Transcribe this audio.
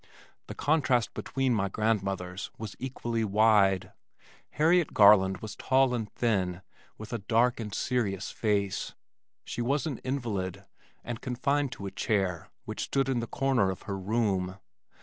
The contrast between my grandmothers was equally wide. Harriet Garland was tall and thin, with a dark and serious face. She was an invalid, and confined to a chair, which stood in the corner of her room.